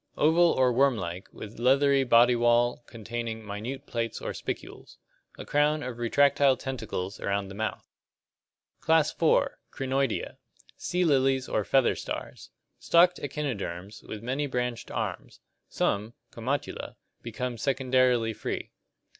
Oval or worm like, with leathery body wall containing minute plates or spicules. A crown of retractile tentacles around the mouth. Class IV. Crinoidea (Gr. k/bivov, lily, and eESos, form). Sea lilies or feather stars. Stalked echinoderms, with many branched arms. Some (Comatula) become secondarily free.